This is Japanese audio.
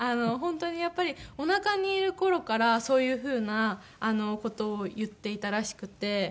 本当にやっぱりおなかにいる頃からそういうふうな事を言っていたらしくて。